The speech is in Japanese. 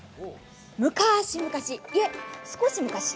むかしむかし、いえ少しむかし。